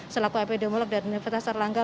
selaku epidemiolog dan nefetasar langga